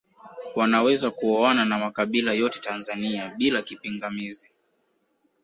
Wanaweza kuoana na makabila yote Tanzania bila kipingamizi